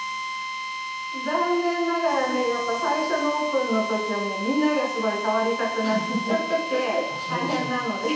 残念ながらねやっぱ最初のオープンの時はもうみんながすごい触りたくなっちゃって大変なので。